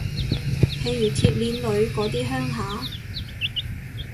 譬如鐵鍊女嗰啲鄉下